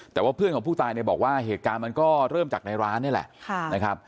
แต่ว่าเพื่อนของผู้ตายเนี่ยบอกว่าเหตุการณ์มันก็เริ่มจากในร้านนี่แหละนะครับ